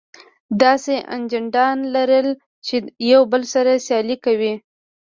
داسې اجنډا لرل چې يو بل سره سیالي کې وي.